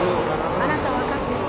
あなた分かってるの？